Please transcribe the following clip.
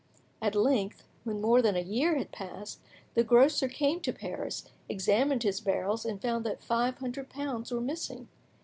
At length, when more than a year had passed, the grocer came to Paris, examined his barrels, and found that five hundred pounds were missing.